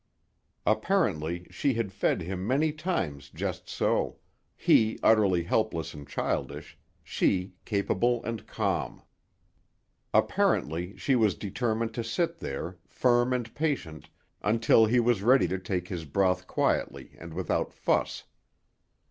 Apparently she had fed him many times just so—he utterly helpless and childish, she capable and calm. Apparently she was determined to sit there, firm and patient, until he was ready to take his broth quietly and without fuss.